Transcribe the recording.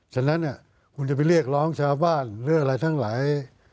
ฉะนั้นคุณจะไปเรียกร้องชาวบ้านเรื่องอะไรทั้งหลาย